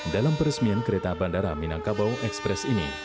dalam peresmian kereta bandara minangkabau ekspres ini